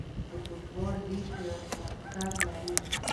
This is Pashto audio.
د فوټبال لیګونه سپانسر لري